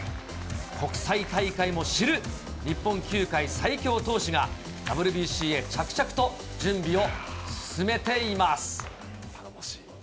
国際大会も知る日本球界最強投手が、ＷＢＣへ着々と準備を進めて頼もしい。